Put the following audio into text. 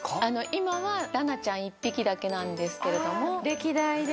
今はななちゃん１匹だけなんですけれども歴代。